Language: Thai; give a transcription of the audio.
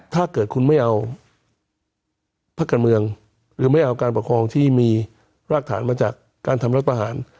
ถ้าเกิดคุณไม่เอาพักการเมืองหรือไม่เอาการประคองที่มีรากฐานมาจากการทำรัฐประหาร